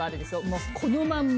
もうこのまんま。